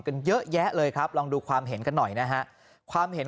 กันเยอะแยะเลยครับลองดูความเห็นกันหน่อยนะฮะความเห็น